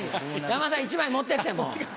山田さん１枚持ってってもう。